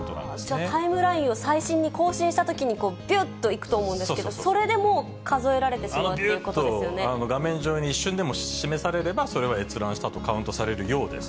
じゃあ、タイムラインを最新に更新したときに、びゅっといくと思うんですけど、それでも数えあのびゅーっと、画面上に一瞬でも示されれば、それは閲覧したとカウントされるようです。